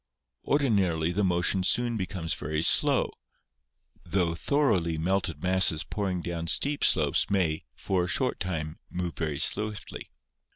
Ordinarily VULCANISM 119 the motion soon becomes very slow, tho thoroly melted masses pouring down steep slopes may, for a short time, move very swiftly.